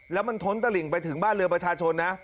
แล้วมันท้นตะหลิ่งไปถึงบ้านเรือประชาชนนะ